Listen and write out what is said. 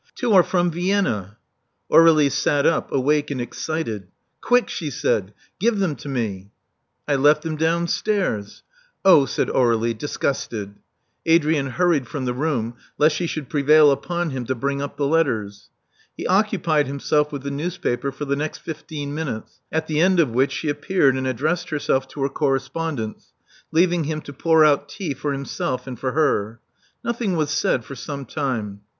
Two are from Vienna." Aur^lie sat up, awake and excited. Quick," she said. Give them to me." I left them downstairs." Oh," said Aur^lie, disgusted. Adrian hurried from the room lest she should prevail upon him to bring up the letters. He occupied himself with the newspaper for the next fifteen minutes, at the end of which she appeared and addressed herself to her correspondence, leaving him to pour out tea for himself and for her. Nothing was said for some time.